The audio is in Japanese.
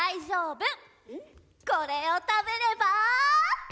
これを食べれば。